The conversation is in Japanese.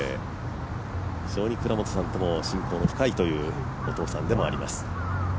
非常に倉本さんとも親交が深いというお父さんであります。